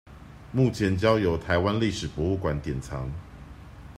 目前交由臺灣歷史博物館典藏